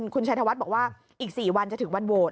คุณชัยธวัฒน์บอกว่าอีก๔วันจะถึงวันโหวต